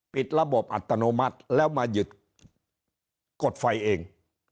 ปิดระบบอัตโนมัติแล้วมาหยุดกดไฟเอง